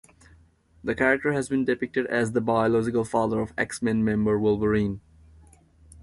The character has been depicted as the biological father of X-Men member Wolverine.